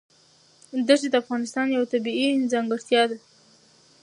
دښتې د افغانستان یوه طبیعي ځانګړتیا ده.